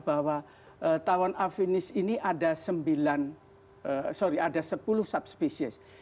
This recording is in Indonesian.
bahwa tawon afinis ini ada sembilan sorry ada sepuluh subspecies